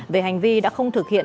về hành vi đã không thực hiện